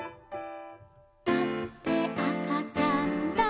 「だってあかちゃんだから」